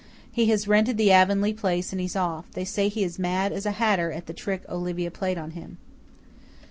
"He has rented the Avonlea place and he's off. They say he is mad as a hatter at the trick Olivia played on him."